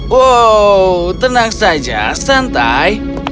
wow tenang saja santai